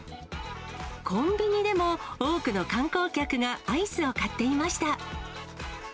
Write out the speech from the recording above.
コンビニでも多くの観光客がアイスを買っていました。